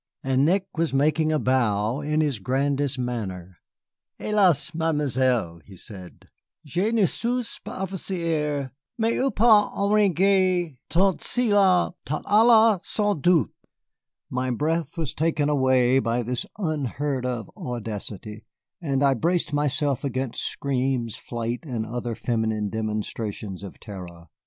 And Nick was making a bow in his grandest manner. "Hélas, Mademoiselle," he said, "je ne suis pas officier, mais on peut arranger tout cela, sans doute." My breath was taken away by this unheard of audacity, and I braced myself against screams, flight, and other feminine demonstrations of terror.